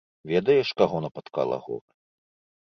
Ведаеш, каго напаткала гора.